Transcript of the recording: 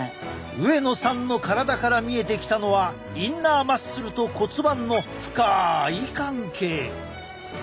上野さんの体から見えてきたのはインナーマッスルと骨盤の深い関係。